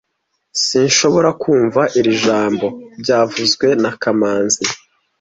Sinshobora kumva iri jambo byavuzwe na kamanzi (marloncori)